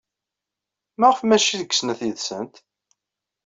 Maɣef maci deg snat yid-sent?